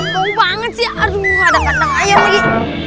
tunggu banget sih aduh ada kandang air lagi